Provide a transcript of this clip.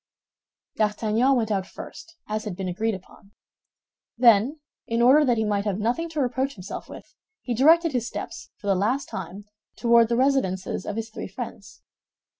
D'Artagnan went out first, as had been agreed upon. Then, in order that he might have nothing to reproach himself with, he directed his steps, for the last time, toward the residences of his three friends.